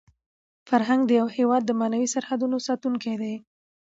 فرهنګ د یو هېواد د معنوي سرحدونو ساتونکی دی.